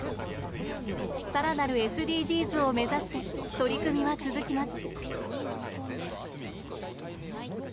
更なるＳＤＧｓを目指して取り組みは続きます。